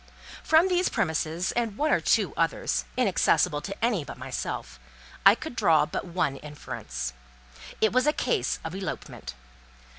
From these premises, and one or two others, inaccessible to any but myself, I could draw but one inference. It was a case of elopement.